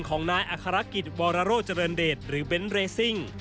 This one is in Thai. ของนายอาฆาระกิจวอรโลจริงเดชน์หรือเบนด์เวสซิ่ง